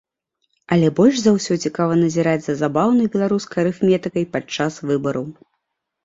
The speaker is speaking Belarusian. Але больш за ўсё цікава назіраць за забаўнай беларускай арыфметыкай падчас выбараў.